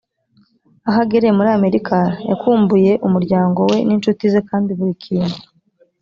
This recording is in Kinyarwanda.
aho agereye muri amerika yakumbuye umuryango we n inshuti ze kandi buri kintu